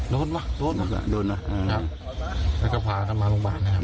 โดนวะโดนวะโดนวะครับน้องกระพาเข้ามาโรงพยาบาลนะครับ